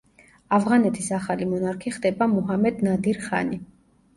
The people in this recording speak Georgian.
ავღანეთის ახალი მონარქი ხდება მუჰამედ ნადირ ხანი.